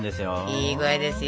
いい具合ですよ。